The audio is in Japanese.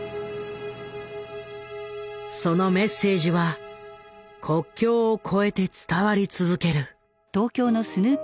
そのメッセージは国境を超えて伝わり続ける。